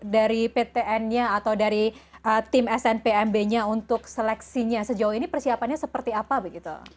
dari ptn nya atau dari tim snpmb nya untuk seleksinya sejauh ini persiapannya seperti apa begitu